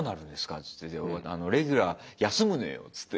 っつって「レギュラー休むのよ」っつって。